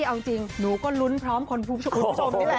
เอาจริงหนูก็รุ้นพร้อมคนผู้ชมได้เลย